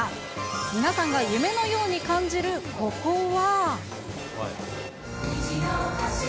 皆さんが夢のように感じるここは。